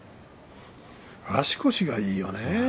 足腰がいいよね。